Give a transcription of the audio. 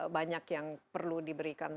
banyak yang perlu diberikan